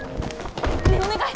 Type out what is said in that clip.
ねえお願い！